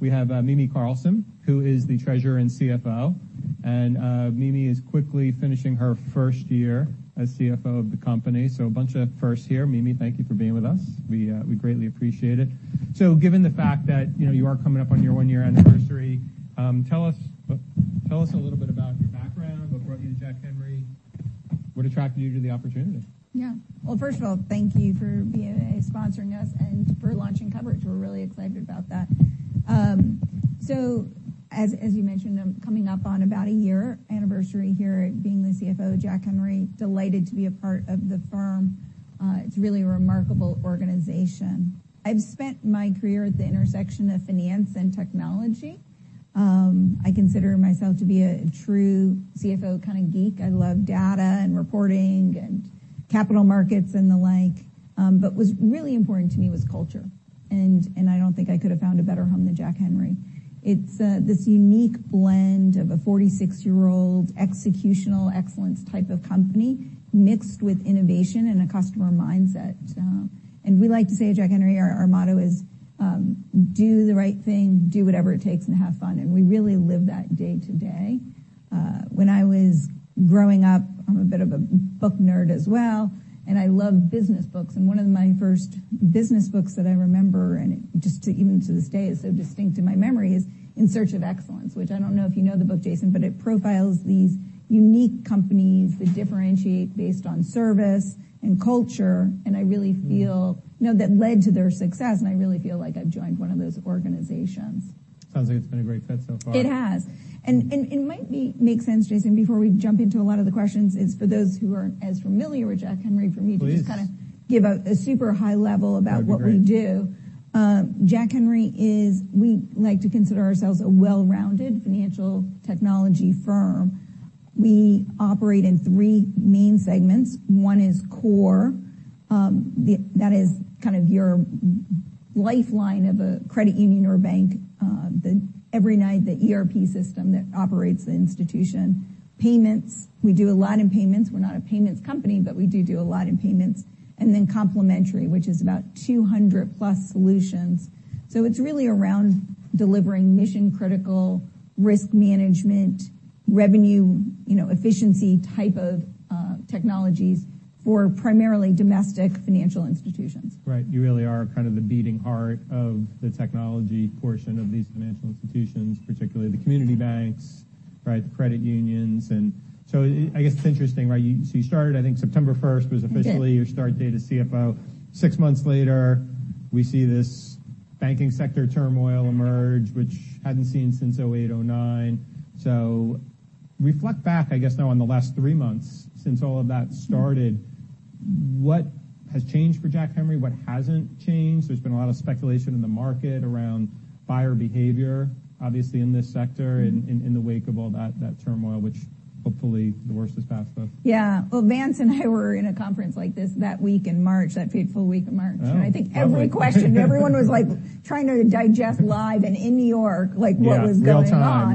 We have Mimi Carsley, who is the Treasurer and CFO. Mimi is quickly finishing her first year as CFO of the company, so a bunch of firsts here. Mimi, thank you for being with us. We greatly appreciate it. Given the fact that, you know, you are coming up on your one-year anniversary, tell us a little bit about your background before you were Jack Henry. What attracted you to the opportunity? Well, first of all, thank you for being sponsoring us and for launching coverage. We're really excited about that. As you mentioned, I'm coming up on about a year anniversary here at being the CFO at Jack Henry. Delighted to be a part of the firm. It's really a remarkable organization. I've spent my career at the intersection of finance and technology. I consider myself to be a true CFO kind of geek. I love data and reporting and capital markets and the like, what's really important to me was culture, and I don't think I could have found a better home than Jack Henry. It's this unique blend of a 46-year-old executional excellence type of company, mixed with innovation and a customer mindset. We like to say at Jack Henry, our motto is, "Do the right thing, do whatever it takes, and have fun," and we really live that day to day. When I was growing up, I'm a bit of a book nerd as well, and I loved business books. One of my first business books that I remember, and just to even to this day, is so distinct in my memory, is In Search of Excellence, which I don't know if you know the book, Jason, but it profiles these unique companies that differentiate based on service and culture. I really feel. Mm-hmm. you know, that led to their success, and I really feel like I've joined one of those organizations. Sounds like it's been a great fit so far. It has. It might be make sense, Jason, before we jump into a lot of the questions, is for those who aren't as familiar with Jack Henry Please. for me to just kind of give a super high level about what we do. That'd be great. Jack Henry is. We like to consider ourselves a well-rounded financial technology firm. We operate in three main segments. One is Core. That is kind of your lifeline of a credit union or a bank, the every night, the ERP system that operates the institution. Payments. We do a lot in payments. We're not a payments company, but we do a lot in payments. Complementary, which is about 200+ solutions. It's really around delivering mission-critical risk management, revenue, you know, efficiency type of technologies for primarily domestic financial institutions. Right. You really are kind of the beating heart of the technology portion of these financial institutions, particularly the community banks, right? The credit unions. I guess it's interesting, right? You started, I think September first. We did. was officially your start date as CFO. Six months later, we see this banking sector turmoil emerge, which hadn't seen since 2008, 2009. Reflect back, I guess, now, on the last three months since all of that started. Mm-hmm. What has changed for Jack Henry? What hasn't changed? There's been a lot of speculation in the market around buyer behavior, obviously in this sector, in the wake of all that turmoil, which hopefully the worst is past us. Yeah. Well, Vance and I were in a conference like this that week in March, that fateful week in March. Oh, okay. I think every question, everyone was, like, trying to digest live and in New York, like what was going on? Yeah, real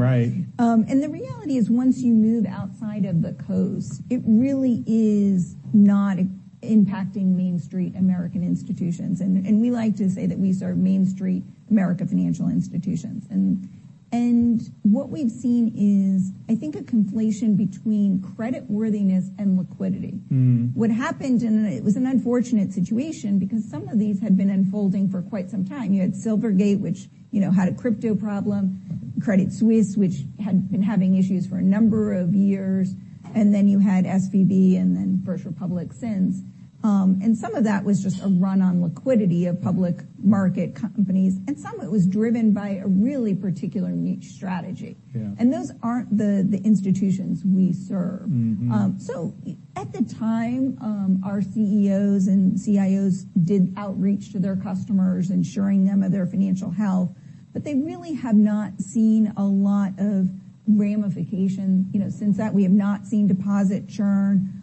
time, right. The reality is, once you move outside of the coast, it really is not impacting Main Street American institutions. We like to say that we serve Main Street America financial institutions. What we've seen is, I think, a conflation between creditworthiness and liquidity. Mm. What happened, it was an unfortunate situation, because some of these had been unfolding for quite some time. You had Silvergate, which, you know, had a crypto problem, Credit Suisse, which had been having issues for a number of years, and then you had SVB, and then First Republic since. Some of that was just a run on liquidity of public market companies, and some of it was driven by a really particular niche strategy. Yeah. Those aren't the institutions we serve. Mm-hmm. At the time, our CEOs and CIOs did outreach to their customers, ensuring them of their financial health, but they really have not seen a lot of ramification. You know, since that, we have not seen deposit churn.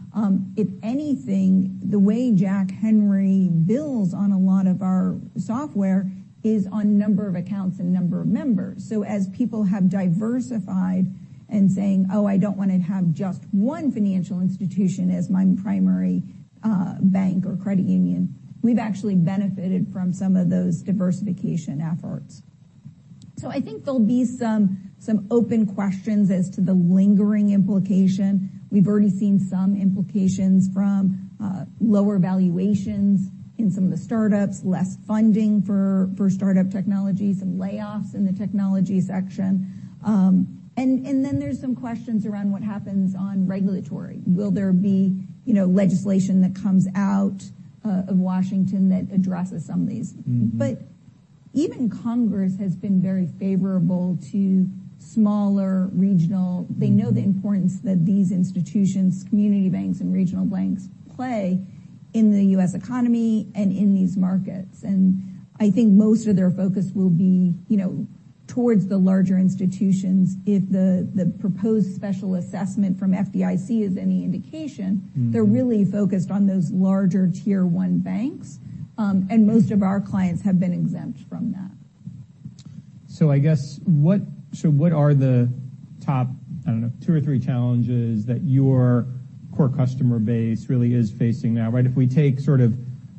If anything, the way Jack Henry builds on a lot of our software is on number of accounts and number of members. As people have diversified in saying, "Oh, I don't want to have just one financial institution as my primary bank or credit union," we've actually benefited from some of those diversification efforts. I think there'll be some open questions as to the lingering implication. We've already seen some implications from, lower valuations in some of the startups, less funding for startup technology, some layoffs in the technology section. Then there's some questions around what happens on regulatory. Will there be, you know, legislation that comes out of Washington that addresses some of these? Mm-hmm. Even Congress has been very favorable to smaller regional Mm-hmm. They know the importance that these institutions, community banks and regional banks, play in the U.S. economy and in these markets. I think most of their focus will be, you know, towards the larger institutions. If the proposed special assessment from FDIC is any indication. Mm-hmm They're really focused on those larger Tier One banks. Most of our clients have been exempt from that. I guess, what, so what are the top, I don't know, two or three challenges that your core customer base really is facing now, right? If we take sort of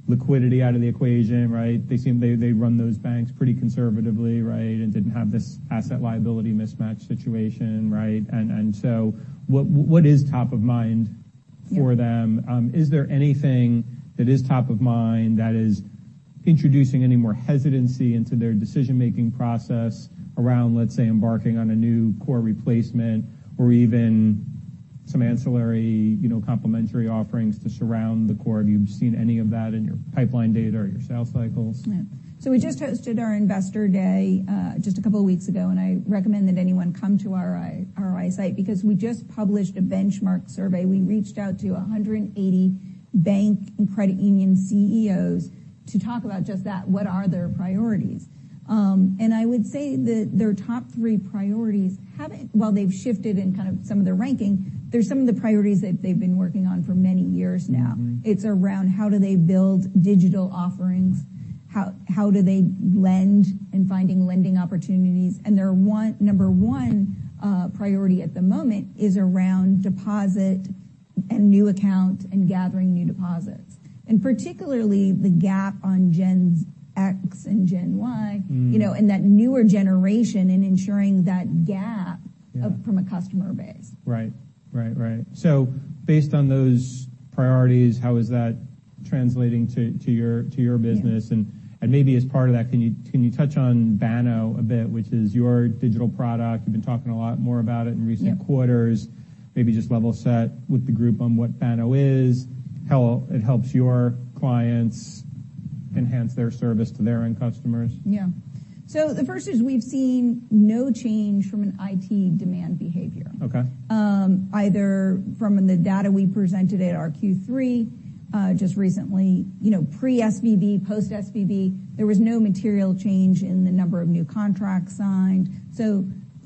liquidity out of the equation, right, they run those banks pretty conservatively, right? Didn't have this asset liability mismatch situation, right? What, what is top of mind for them? Is there anything that is top of mind that is introducing any more hesitancy into their decision-making process around, let's say, embarking on a new core replacement or even some ancillary, you know, complementary offerings to surround the core? Have you seen any of that in your pipeline data or your sales cycles? Yeah. We just hosted our investor day, just a couple of weeks ago, and I recommend that anyone come to our IR site, because we just published a benchmark survey. We reached out to 180 bank and credit union CEOs to talk about just that, what are their priorities? I would say that their top three priorities while they've shifted in kind of some of their ranking, they're some of the priorities that they've been working on for many years now. Mm-hmm. It's around how do they build digital offerings? How do they lend and finding lending opportunities? Their number one priority at the moment is around deposit and new account and gathering new deposits. Particularly the gap on Gen X and Gen Y. Mm. You know, that newer generation, in ensuring that gap. Yeah from a customer base. Right. Right, right. Based on those priorities, how is that translating to your business? Yeah. Maybe as part of that, can you touch on Banno a bit, which is your digital product? You've been talking a lot more about it in recent quarters. Yeah. Maybe just level set with the group on what Banno is, how it helps your clients enhance their service to their end customers. Yeah. The first is we've seen no change from an IT demand behavior. Okay. Either from the data we presented at our Q3, just recently, you know, pre-SVB, post-SVB, there was no material change in the number of new contracts signed.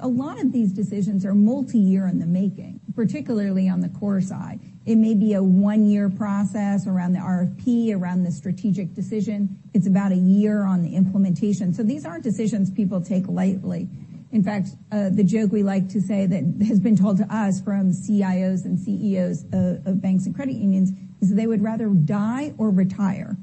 A lot of these decisions are multi-year in the making, particularly on the core side. It may be a one-year process around the RFP, around the strategic decision. It's about a year on the implementation. These aren't decisions people take lightly. In fact, the joke we like to say that has been told to us from CIOs and CEOs of banks and credit unions, is they would rather die or retire.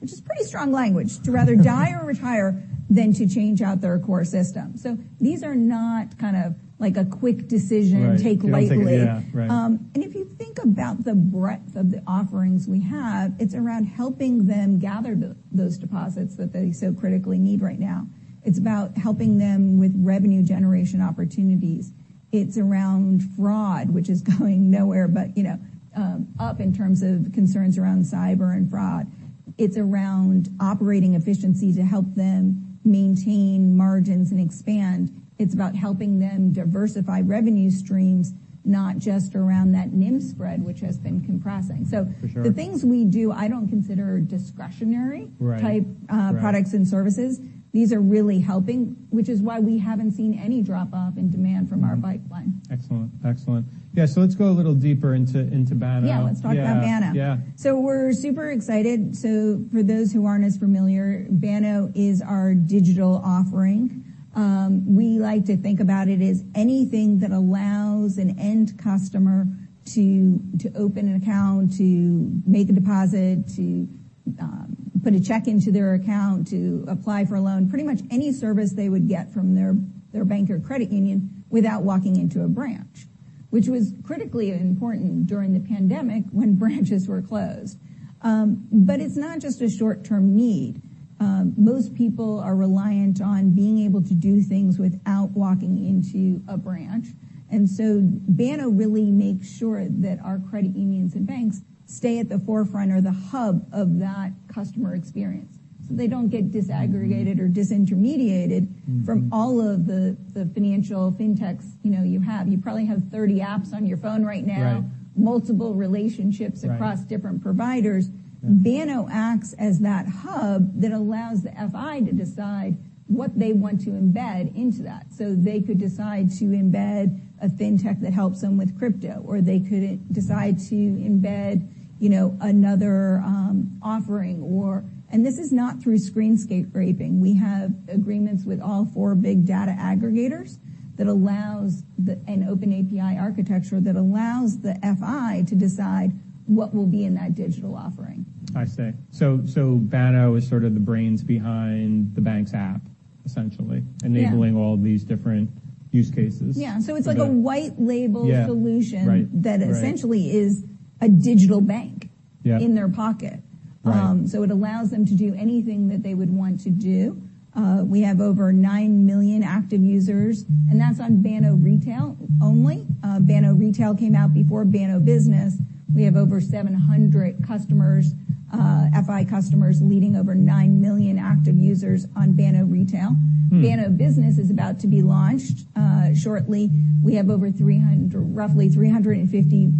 Which is pretty strong language, to rather die or retire than to change out their core system. These are not kind of like a quick decision. Right take lightly. Yeah, right. If you think about the breadth of the offerings we have, it's around helping them gather those deposits that they so critically need right now. It's about helping them with revenue generation opportunities. It's around fraud, which is going nowhere, but, you know, up in terms of concerns around cyber and fraud. It's around operating efficiency to help them maintain margins and expand. It's about helping them diversify revenue streams, not just around that NIM spread, which has been compressing. For sure. The things we do, I don't consider discretionary. Right type, products and services. Right. These are really helping, which is why we haven't seen any drop off in demand from our pipeline. Mm-hmm. Excellent. Yeah, let's go a little deeper into Banno. Yeah, let's talk about Banno. Yeah. Yeah. We're super excited. For those who aren't as familiar, Banno is our digital offering. We like to think about it as anything that allows an end customer to open an account, to make a deposit, to put a check into their account, to apply for a loan. Pretty much any service they would get from their bank or credit union without walking into a branch. Which was critically important during the pandemic when branches were closed. It's not just a short-term need. Most people are reliant on being able to do things without walking into a branch. Banno really makes sure that our credit unions and banks stay at the forefront or the hub of that customer experience, so they don't get disaggregated or disintermediated. Mm-hmm ...from all of the financial fintechs, you know, you have. You probably have 30 apps on your phone right now. Right. Multiple relationships- Right ...across different providers. Yeah. Banno acts as that hub that allows the FI to decide what they want to embed into that. They could decide to embed a fintech that helps them with crypto, or they could decide to embed, you know, another offering. This is not through screen scraping. We have agreements with all four big data aggregators that allows an open API architecture, that allows the FI to decide what will be in that digital offering. I see. Banno is sort of the brains behind the bank's app, essentially. Yeah ...enabling all these different use cases? Yeah. Okay. It's like a white-label solution. Yeah, right. ...that essentially is a digital bank- Yeah in their pocket. Right. It allows them to do anything that they would want to do. We have over nine million active users, and that's on Banno Retail only. Banno Retail came out before Banno Business. We have over 700 customers, FI customers, leading over nine million active users on Banno Retail. Hmm. Banno Business is about to be launched, shortly. We have over 300, roughly 350,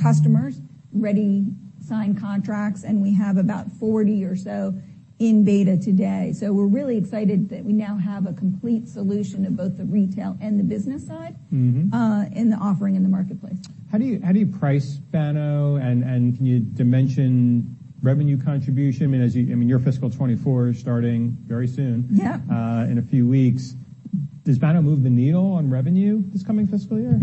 customers, ready signed contracts, and we have about 40 or so in beta today. We're really excited that we now have a complete solution of both the retail and the business side- Mm-hmm... in the offering in the marketplace. How do you price Banno, and can you dimension revenue contribution? I mean, your fiscal 2024 is starting very soon. Yeah In a few weeks. Does Banno move the needle on revenue this coming fiscal year?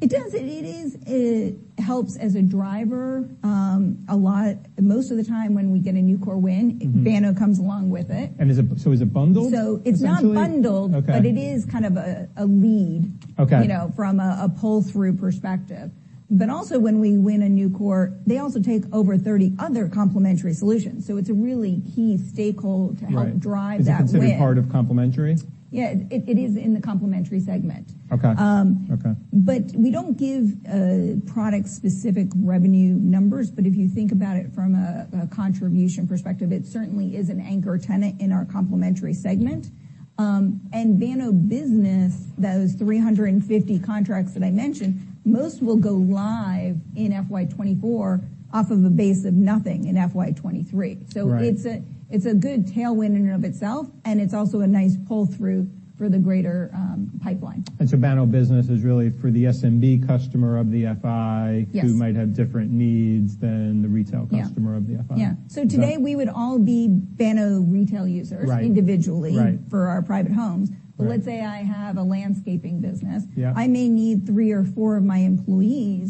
It does. It helps as a driver, a lot. Most of the time, when we get a new core. Mm-hmm. Banno comes along with it. Is it bundled essentially? It's not bundled- Okay. It is kind of a... Okay you know, from a pull-through perspective. Also, when we win a new core, they also take over 30 other complementary solutions, so it's a really key stakeholder. Right to help drive that win. Is it considered part of complementary? Yeah, it is in the complementary segment. Okay. Um- Okay. We don't give product-specific revenue numbers, but if you think about it from a contribution perspective, it certainly is an anchor tenant in our complementary segment. Banno Business, those 350 contracts that I mentioned, most will go live in FY 2024 off of a base of nothing in FY 2023. Right. It's a good tailwind in and of itself, and it's also a nice pull-through for the greater pipeline. Banno Business is really for the SMB customer of the FI. Yes -who might have different needs than the retail customer- Yeah of the FI. Yeah. Yeah. Today, we would all be Banno Retail users... Right -individually- Right -for our private homes. Right. Let's say I have a landscaping business. Yeah. I may need three or four of my employees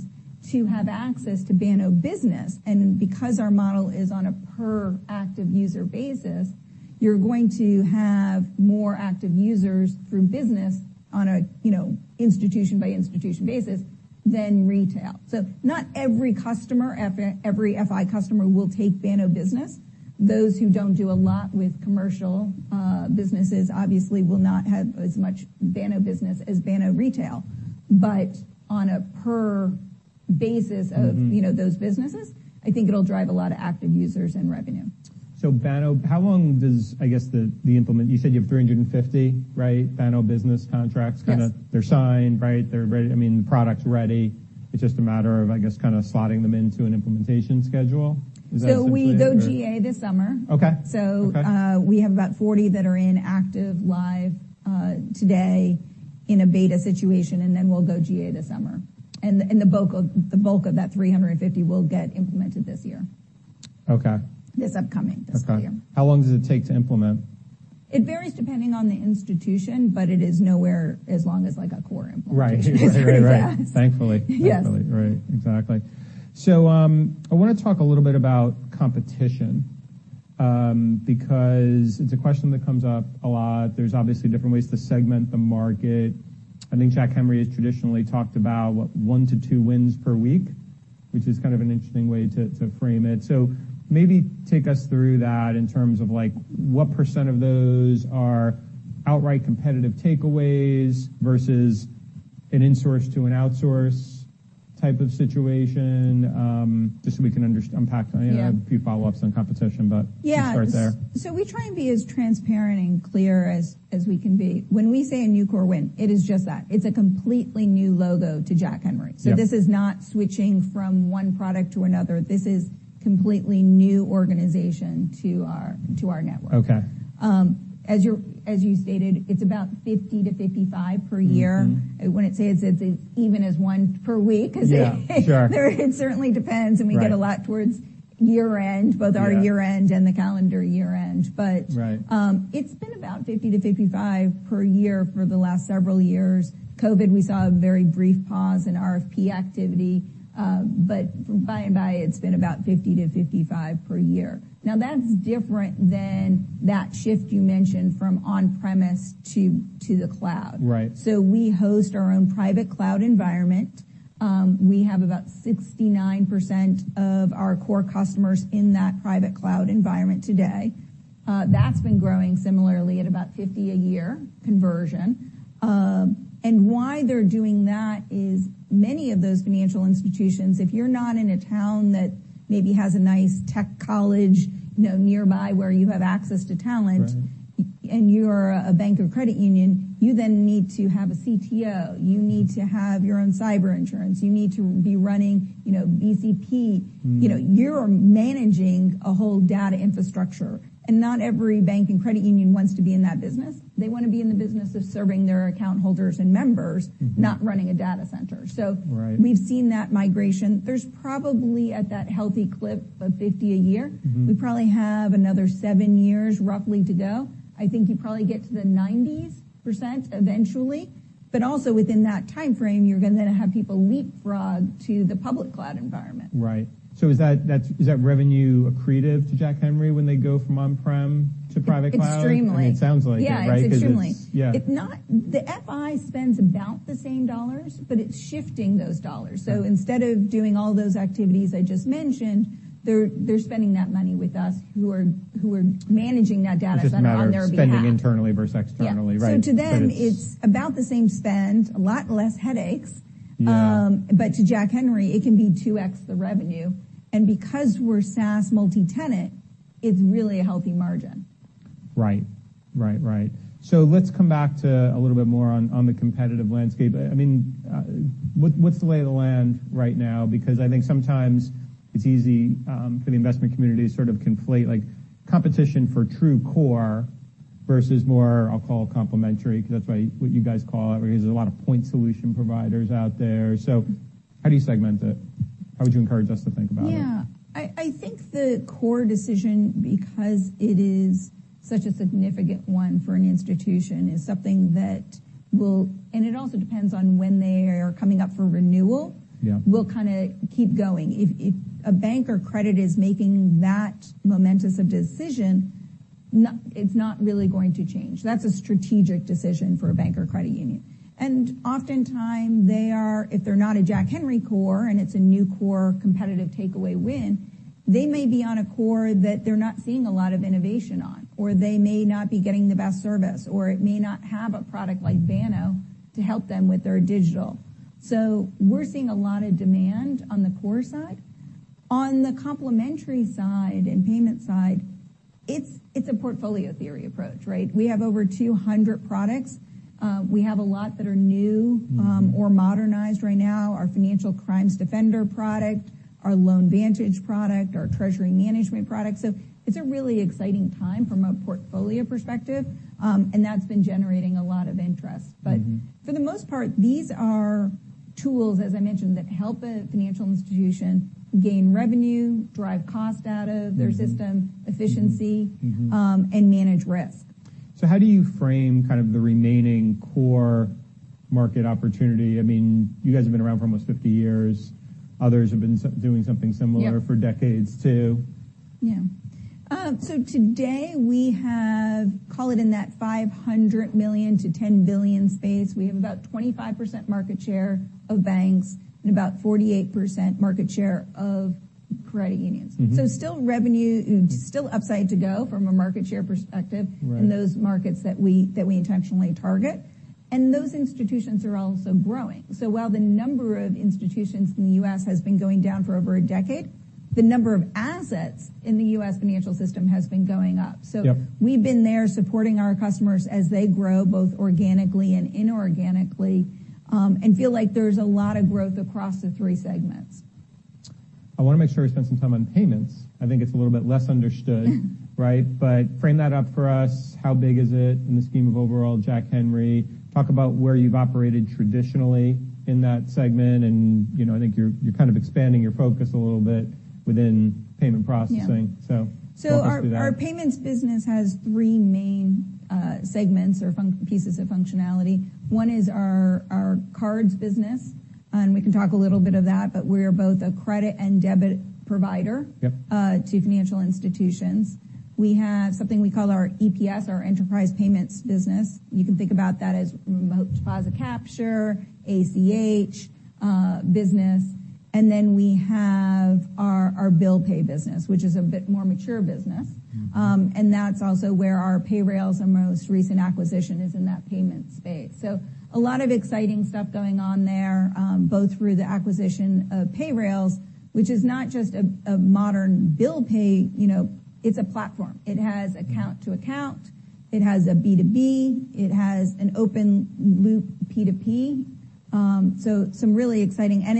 to have access to Banno Business. Because our model is on a per active user basis, you're going to have more active users through business on a, you know, institution-by-institution basis than retail. Not every customer, every FI customer will take Banno Business. Those who don't do a lot with commercial businesses obviously will not have as much Banno Business as Banno Retail. On a per basis of. Mm-hmm you know, those businesses, I think it'll drive a lot of active users and revenue. Banno, how long does, I guess, the, You said you have 350, right, Banno Business contracts? Yes. Kinda they're signed, right? They're ready. I mean, the product's ready. It's just a matter of, I guess, kind of slotting them into an implementation schedule. Is that essentially it, or? we go GA this summer. Okay. So- Okay... we have about 40 that are in active live, today in a beta situation, and then we'll go GA this summer. The bulk of that 350 will get implemented this year. Okay. This upcoming fiscal year. Okay. How long does it take to implement? It varies depending on the institution, but it is nowhere as long as, like, a core implementation. Right. Right, right. Yeah. Thankfully. Yes. Right, exactly. I wanna talk a little bit about competition, because it's a question that comes up a lot. There's obviously different ways to segment the market. I think Jack Henry has traditionally talked about, what? one to two wins per week, which is kind of an interesting way to frame it. Maybe take us through that in terms of like, what % of those are outright competitive takeaways versus an insource to an outsource type of situation, just so we can unpack Yeah I have a few follow-ups on competition. Yeah Let's start there. We try and be as transparent and clear as we can be. When we say a new core win, it is just that. It's a completely new logo to Jack Henry. Yeah. This is not switching from one product to another. This is completely new organization to our network. Okay. As you stated, it's about 50-55 per year. Mm-hmm. I wouldn't say it's as even as one per week. Yeah, sure. It certainly depends. Right We get a lot towards year-end. Yeah both our year-end and the calendar year-end. Right... it's been about 50 to 55 per year for the last several years. COVID, we saw a very brief pause in RFP activity, but by and by, it's been about 50 to 55 per year. Now, that's different than that shift you mentioned from on-premise to the cloud. Right. We host our own private cloud environment. We have about 69% of our core customers in that private cloud environment today. That's been growing similarly at about 50 a year conversion. Why they're doing that is many of those financial institutions, if you're not in a town that maybe has a nice tech college, you know, nearby where you have access to talent. Right... and you're a bank or credit union, you then need to have a CTO. You need to have your own cyber insurance. You need to be running, you know, BCP. Mm. You know, you're managing a whole data infrastructure. Not every bank and credit union wants to be in that business. They wanna be in the business of serving their account holders and members. Mm-hmm Not running a data center, so. Right... we've seen that migration. There's probably, at that healthy clip of 50 a year. Mm-hmm... we probably have another seven years roughly to go. I think you probably get to the 90%'s eventually, but also within that timeframe, you're gonna then have people leapfrog to the public cloud environment. Right. Is that revenue accretive to Jack Henry when they go from on-prem to private cloud? Extremely. I mean, it sounds like it, right? Yeah, extremely. Yeah. The FI spends about the same dollars, It's shifting those dollars. Right. Instead of doing all those activities I just mentioned, they're spending that money with us, who are managing that data on their behalf. It's just a matter of spending internally versus externally. Yeah. Right. To them, it's about the same spend, a lot less headaches. Yeah. To Jack Henry, it can be 2x the revenue, and because we're SaaS multi-tenant, it's really a healthy margin. Right. Right, right. Let's come back to a little bit more on the competitive landscape. I mean, what's the lay of the land right now? Because I think sometimes it's easy for the investment community to sort of conflate, like, competition for true core versus more, I'll call, complementary, 'cause that's why, what you guys call it, where there's a lot of point solution providers out there. How do you segment it? How would you encourage us to think about it? Yeah. I think the core decision, because it is such a significant one for an institution, is something that and it also depends on when they are coming up for renewal. Yeah -will kind of keep going. If a bank or credit is making that momentous a decision, it's not really going to change. That's a strategic decision for a bank or credit union. Oftentimes, they are, if they're not a Jack Henry core, and it's a new core competitive takeaway win, they may be on a core that they're not seeing a lot of innovation on, or they may not be getting the best service, or it may not have a product like Banno to help them with their digital. We're seeing a lot of demand on the core side. On the complementary side and payment side, it's a portfolio theory approach, right? We have over 200 products. We have a lot that are new or modernized right now. Mm-hmm. Our Financial Crimes Defender product, our LoanVantage product, our Treasury management product. It's a really exciting time from a portfolio perspective, and that's been generating a lot of interest. Mm-hmm. For the most part, these are tools, as I mentioned, that help a financial institution gain revenue, drive cost out of their system. Mm-hmm... efficiency- Mm-hmm, mm-hmm and manage risk. how do you frame kind of the remaining core market opportunity? I mean, you guys have been around for almost 50 years. Others have been doing something similar-. Yeah for decades, too. Yeah. Today we have, call it in that $500 million-$10 billion space, we have about 25% market share of banks and about 48% market share of credit unions. Mm-hmm. Still revenue, still upside to go from a market share perspective. Right in those markets that we, that we intentionally target. Those institutions are also growing. While the number of institutions in the U.S. has been going down for over a decade, the number of assets in the U.S. financial system has been going up. Yeah. We've been there supporting our customers as they grow, both organically and inorganically, and feel like there's a lot of growth across the three segments. I want to make sure we spend some time on payments. I think it's a little bit less understood. Right? Frame that up for us. How big is it in the scheme of overall Jack Henry? Talk about where you've operated traditionally in that segment, and, you know, I think you're kind of expanding your focus a little bit within payment processing. Yeah. Walk us through that. our payments business has three main segments or pieces of functionality. One is our Cards business, and we can talk a little bit of that, but we are both a credit and debit provider- Yep... to financial institutions. We have something we call our EPS, our enterprise payments business. You can think about that as remote deposit capture, ACH, business, and then we have our Bill pay business, which is a bit more mature business. Mm-hmm. That's also where our Payrailz, our most recent acquisition, is in that payment space. A lot of exciting stuff going on there, both through the acquisition of Payrailz, which is not just a modern bill pay, you know, it's a platform. Mm-hmm. It has account to account, it has a B2B, it has an open-loop P2P.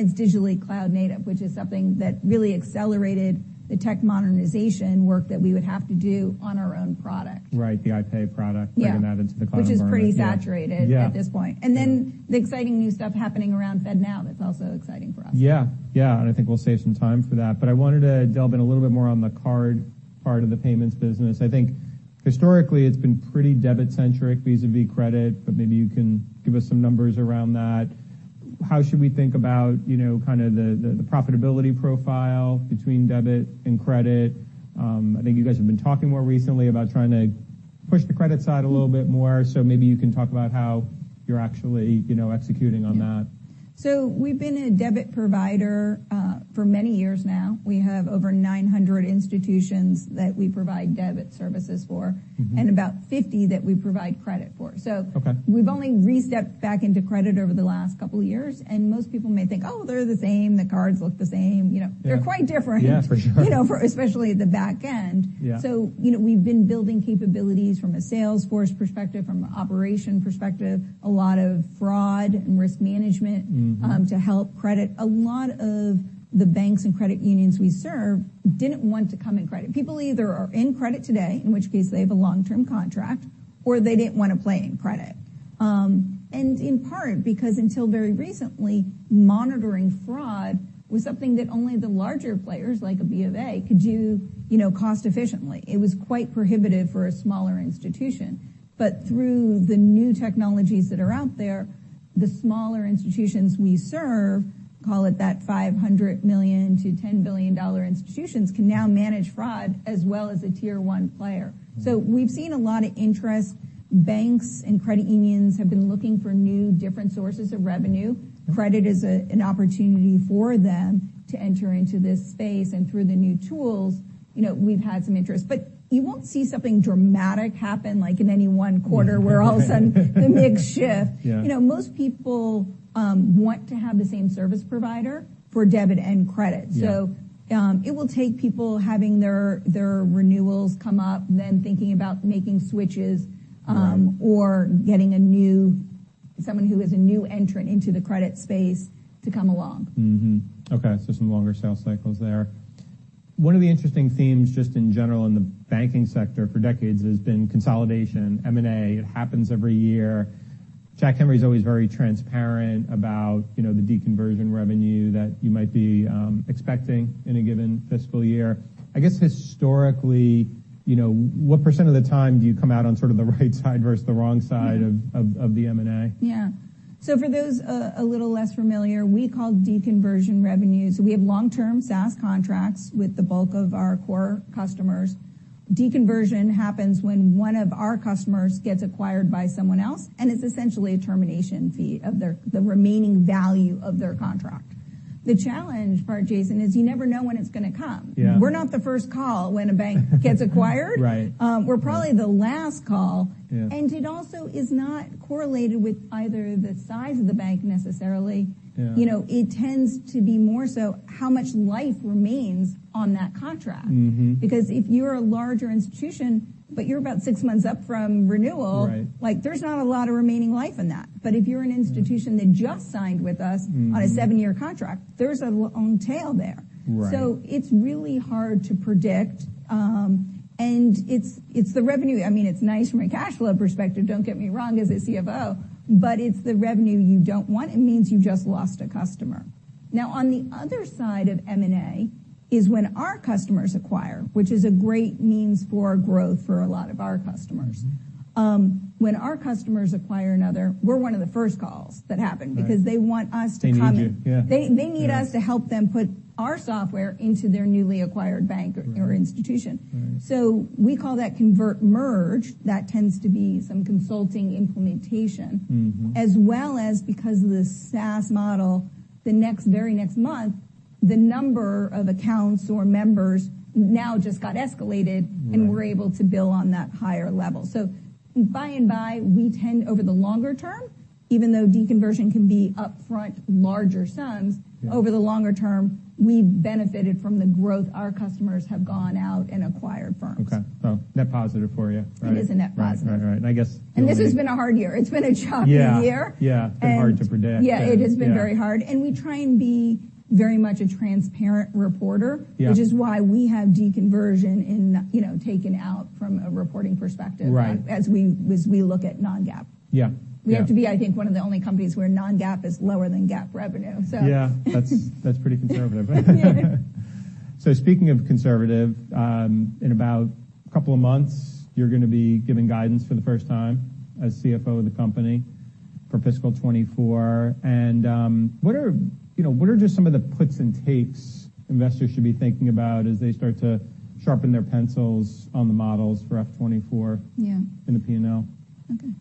It's digitally cloud-native, which is something that really accelerated the tech modernization work that we would have to do on our own product. Right, the iPay product. Yeah that you added to the cloud environment. Which is pretty saturated- Yeah at this point. Yeah. The exciting new stuff happening around FedNow, that's also exciting for us. Yeah. Yeah, I think we'll save some time for that, but I wanted to delve in a little bit more on the card part of the payments business. I think historically, it's been pretty debit-centric, vis-a-vis credit, but maybe you can give us some numbers around that. How should we think about, you know, kind of the profitability profile between debit and credit? I think you guys have been talking more recently about trying to push the credit side a little bit more, so maybe you can talk about how you're actually, you know, executing on that. Yeah. We've been a debit provider, for many years now. We have over 900 institutions that we provide debit services for. Mm-hmm... and about 50 that we provide credit for. Okay. We've only restepped back into credit over the last couple of years, and most people may think, "Oh, they're the same, the cards look the same." You know. Yeah... they're quite different. Yeah, for sure. You know, especially at the back end. Yeah. You know, we've been building capabilities from a sales force perspective, from an operation perspective, a lot of fraud and risk management. Mm-hmm ... to help credit. A lot of the banks and credit unions we serve didn't want to come in credit. People either are in credit today, in which case they have a long-term contract, or they didn't want to play in credit. In part, because until very recently, monitoring fraud was something that only the larger players, like a BOA, could do you know, cost efficiently. It was quite prohibitive for a smaller institution. Through the new technologies that are out there, the smaller institutions we serve, call it that $500 million-$10 billion institutions, can now manage fraud as well as a Tier 1 player. Mm. We've seen a lot of interest. Banks and credit unions have been looking for new, different sources of revenue. Mm-hmm. Credit is an opportunity for them to enter into this space, through the new tools, you know, we've had some interest. You won't see something dramatic happen, like in any one quarter, where all of a sudden, the big shift. Yeah. You know, most people, want to have the same service provider for debit and credit. Yeah. It will take people having their renewals come up, then thinking about making switches. Right... or getting a new, someone who is a new entrant into the credit space to come along. Okay, so some longer sales cycles there. One of the interesting themes, just in general, in the banking sector for decades has been consolidation, M&A. It happens every year. Jack Henry is always very transparent about, you know, the deconversion revenue that you might be expecting in a given fiscal year. I guess historically, you know, what percent of the time do you come out on sort of the right side versus the wrong side of the M&A? Yeah. For those a little less familiar, we call deconversion revenues. We have long-term SaaS contracts with the bulk of our core customers. Deconversion happens when one of our customers gets acquired by someone else, and it's essentially a termination fee of the remaining value of their contract. The challenge part, Jason, is you never know when it's gonna come. Yeah. We're not the first call when a bank gets acquired. Right. We're probably the last call. Yeah. It also is not correlated with either the size of the bank necessarily. Yeah. You know, it tends to be more so how much life remains on that contract. Mm-hmm. If you're a larger institution, but you're about six months up from renewal. Right like, there's not a lot of remaining life in that. If you're an institution that just signed with us- Mm-hmm on a seven-year contract, there's a long tail there. Right. It's really hard to predict. It's the revenue. I mean, it's nice from a cash flow perspective, don't get me wrong, as a CFO, but it's the revenue you don't want. It means you've just lost a customer. On the other side of M&A is when our customers acquire, which is a great means for growth for a lot of our customers. When our customers acquire another, we're one of the first calls that happen- Right... because they want us to. They need you, yeah. They need us. Right... to help them put our software into their newly acquired bank or institution. Right. We call that convert merge. That tends to be some consulting implementation. Mm-hmm. Because of the SaaS model, the next, very next month, the number of accounts or members now just got escalated. Right... we're able to bill on that higher level. by and by, we tend, over the longer term, even though deconversion can be upfront larger sums. Yeah... over the longer term, we've benefited from the growth. Our customers have gone out and acquired firms. Okay. net positive for you, right? It is a net positive. Right. I guess- This has been a hard year. It's been a challenging year. Yeah. Yeah, it's been hard to predict. Yeah, it has been very hard. Yeah. We try and be very much a transparent reporter. Yeah which is why we have deconversion in, you know, taken out from a reporting perspective. Right... as we look at non-GAAP. Yeah. Yeah. We have to be, I think, one of the only companies where non-GAAP is lower than GAAP revenue, so. Yeah, that's pretty conservative. Yeah. Speaking of conservative, in about a couple of months, you're gonna be giving guidance for the first time as CFO of the company for fiscal 2024. What are, you know, what are just some of the puts and takes investors should be thinking about as they start to sharpen their pencils on the models for F-2024? Yeah... in the P&L?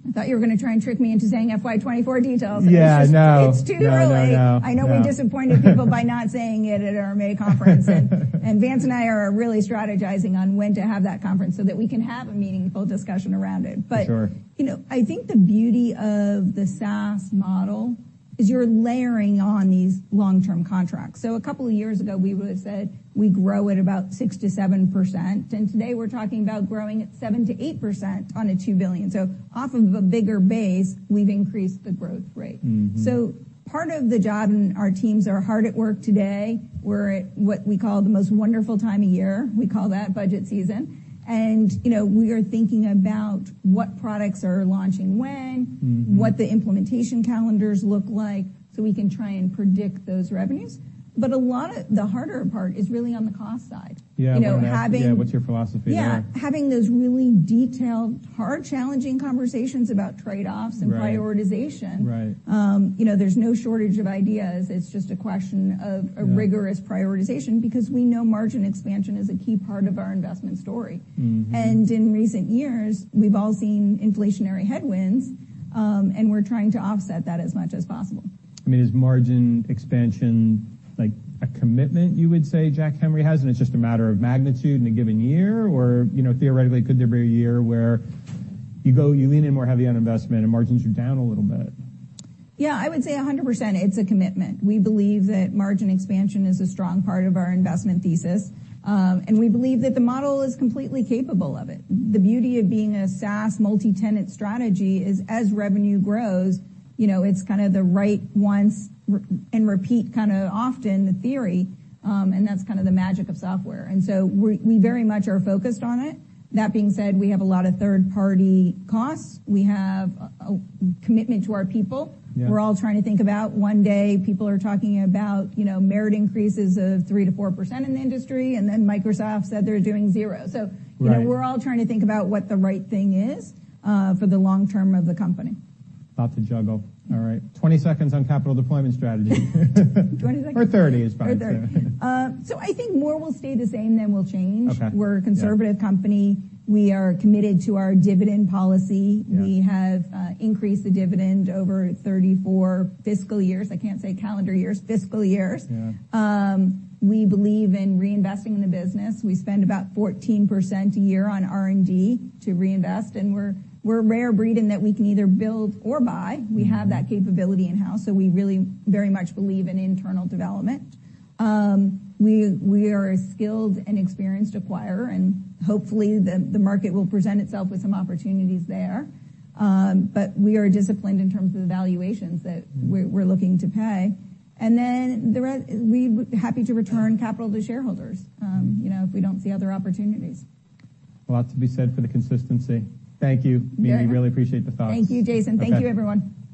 I thought you were gonna try and trick me into saying FY 2024 details. Yeah, no. It's too early. No, no. I know we disappointed people.... by not saying it at our May conference. Vance and I are really strategizing on when to have that conference, so that we can have a meaningful discussion around it. Sure. You know, I think the beauty of the SaaS model is you're layering on these long-term contracts. A couple of years ago, we would've said we grow at about 6%-7%, and today we're talking about growing at 7%-8% on a $2 billion. Off of a bigger base, we've increased the growth rate. Mm-hmm. Part of the job, and our teams are hard at work today, we're at what we call the most wonderful time of year. We call that budget season, and you know, we are thinking about what products are launching when Mm-hmm... what the implementation calendars look like, so we can try and predict those revenues. A lot of the harder part is really on the cost side. Yeah. You know. Yeah, what's your philosophy there? Yeah, having those really detailed, hard, challenging conversations about trade-offs- Right and prioritization. Right. you know, there's no shortage of ideas. It's just a question. Yeah a rigorous prioritization because we know margin expansion is a key part of our investment story. Mm-hmm. In recent years, we've all seen inflationary headwinds, and we're trying to offset that as much as possible. I mean, is margin expansion like a commitment, you would say Jack Henry has, and it's just a matter of magnitude in a given year? You know, theoretically, could there be a year where you go, you lean in more heavily on investment and margins are down a little bit? Yeah, I would say 100% it's a commitment. We believe that margin expansion is a strong part of our investment thesis, and we believe that the model is completely capable of it. The beauty of being a SaaS multi-tenant strategy is, as revenue grows, you know, it's kind of the write-once and repeat kind of often theory, and that's kind of the magic of software, and so we very much are focused on it. That being said, we have a lot of third-party costs. We have a commitment to our people. Yeah. We're all trying to think about one day, people are talking about, you know, merit increases of 3%-4% in the industry, and then Microsoft said they're doing zero. Right. you know, we're all trying to think about what the right thing is for the long term of the company. Lot to juggle. All right, 20 seconds on capital deployment strategy. 20 seconds? 30 seconds is fine. 30 seconds. I think more will stay the same than will change. Okay. Yeah. We're a conservative company. We are committed to our dividend policy. Yeah. We have increased the dividend over 34 fiscal years. I can't say calendar years, fiscal years. Yeah. We believe in reinvesting in the business. We spend about 14% a year on R&D to reinvest, and we're a rare breed in that we can either build or buy. Mm-hmm. We have that capability in-house. We really very much believe in internal development. We are a skilled and experienced acquirer, and hopefully the market will present itself with some opportunities there. We are disciplined in terms of the valuations. Mm... we're looking to pay. We happy to return capital to shareholders, you know, if we don't see other opportunities. A lot to be said for the consistency. Thank you. Yeah. We really appreciate the thoughts. Thank you, Jason. Okay. Thank you, everyone.